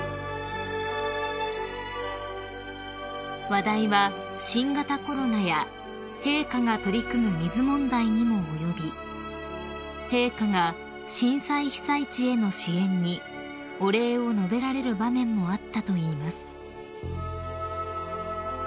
［話題は新型コロナや陛下が取り組む水問題にも及び陛下が震災被災地への支援にお礼を述べられる場面もあったといいます］